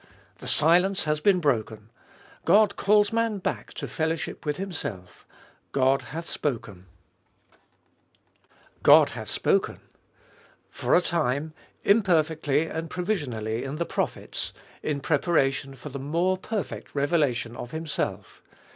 The silence has been broken. God calls man back to fellowship with Himself. God hath spoken ! God hath spoken ! For a time, imperfectly and provision ally in the prophets, in preparation for the more perfect revelation of Himself.